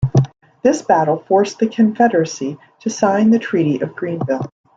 This battle forced the confederacy to sign the Treaty of Greenville.